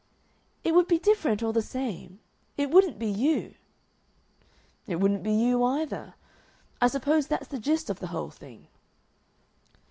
"It would be different all the same. It wouldn't be you." "It wouldn't be you either. I suppose that's the gist of the whole thing."